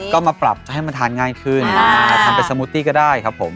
ก็มาปรับให้มันทานง่ายขึ้นทำเป็นสมูตตี้ก็ได้ครับผม